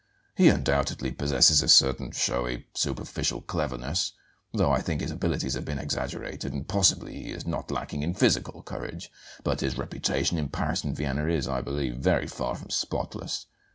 He undoubtedly possesses a certain showy, superficial cleverness, though I think his abilities have been exaggerated; and possibly he is not lacking in physical courage; but his reputation in Paris and Vienna is, I believe, very far from spotless.